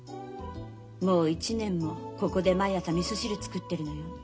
もう１年もここで毎朝みそ汁作ってるのよ。